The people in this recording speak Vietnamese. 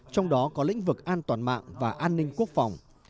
trong đó có lĩnh vực an toàn mạng và an ninh quốc phòng